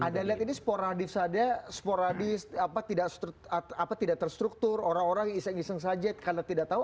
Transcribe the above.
anda lihat ini sporadis saja sporadis tidak terstruktur orang orang iseng iseng saja karena tidak tahu